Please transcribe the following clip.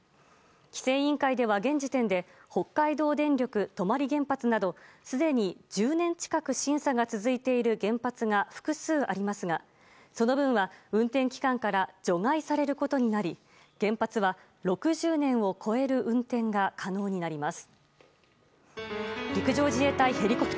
規制委員会では現時点で北海道電力泊原発などすでに１０年近く審査が続いている原発が複数ありますがその分は運転期間から除外されることになり、原発は６０年を超える運転が可能になります。